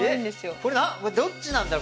これどっちなんだろ？